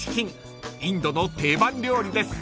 ［インドの定番料理です］